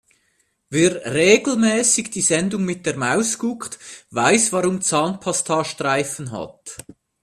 Wer regelmäßig die Sendung mit der Maus guckt, weiß warum Zahnpasta Streifen hat.